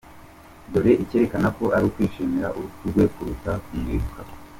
Dore icyerekana ko ari ukwishimira urupfu rwe kuruta kumwibuka: